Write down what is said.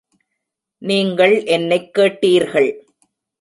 நீங்கள் என்னைக் கேட்டீர்கள்.